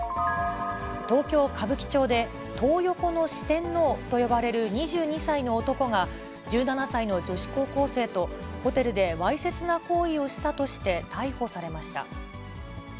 東京・歌舞伎町でトー横の四天王と呼ばれる２２歳の男が、１７歳の女子高校生とホテルでわいせつな行為をしたとして逮捕されました。